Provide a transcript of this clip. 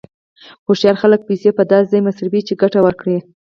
هوښیار خلک پیسې په داسې ځای مصرفوي چې ګټه ورکړي.